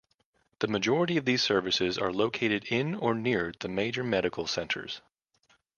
The majority of these services are located in or near the major medical centres.